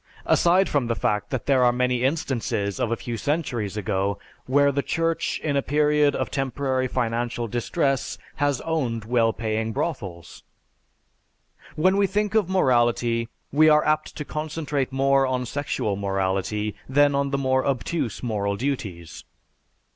(Aside from the fact that there are many instances of a few centuries ago where the Church in a period of temporary financial distress has owned well paying brothels.) When we think of morality we are apt to concentrate more on sexual morality than on the more obtuse moral duties.